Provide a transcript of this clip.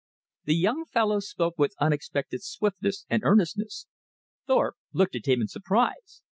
The young follow spoke with unexpected swiftness and earnestness. Thorpe looked at him in surprise.